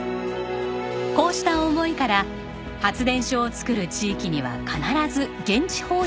こうした思いから発電所を作る地域には必ず現地法人を設置。